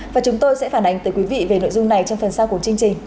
và chúng tôi sẽ phản ánh tới quý vị về nội dung này trong phần sau của chương trình